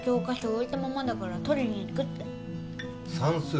置いたままだから取りにいくって算数？